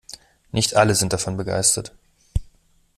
Nicht alle sind davon begeistert.